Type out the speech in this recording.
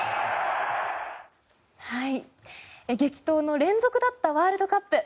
激闘の連続だったワールドカップ。